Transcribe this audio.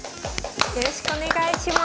よろしくお願いします。